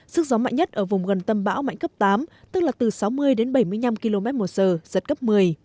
sức gió mạnh nhất ở vùng gần tâm bão mạnh cấp tám tức là từ sáu mươi đến bảy mươi năm km một giờ giật cấp một mươi